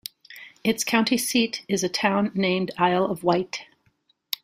Its county seat is a town named Isle of Wight.